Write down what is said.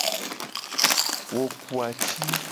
Wo ku ati.